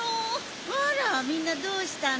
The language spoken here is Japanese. あらみんなどうしたの？